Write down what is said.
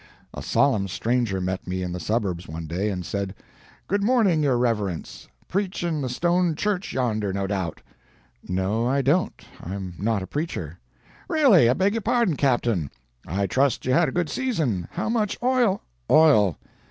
A solemn stranger met me in the suburbs one day, and said: "Good morning, your reverence. Preach in the stone church yonder, no doubt!" "No, I don't. I'm not a preacher." "Really, I beg your pardon, captain. I trust you had a good season. How much oil " "Oil!